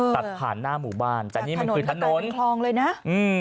ตัดผ่านหน้าหมู่บ้านแต่นี่มันคือถนนจากถนนกลายเป็นคลองเลยนะอืม